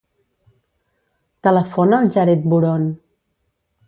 Telefona al Jared Buron.